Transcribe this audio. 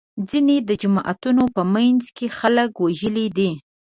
ځینې د جوماتونو په منځ کې خلک وژلي دي.